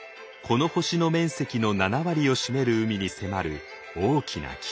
この星の面積の７割を占める海に迫る大きな危機。